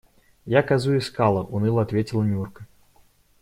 Я козу искала, – уныло ответила Нюрка.